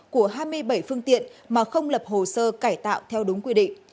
của hai mươi bảy phương tiện mà không lập hồ sơ cải tạo theo đúng quy định